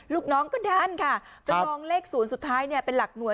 ลูกน้องก็ดันค่ะมองเลขศูนย์สุดท้ายเนี่ยเป็นหลักหน่วย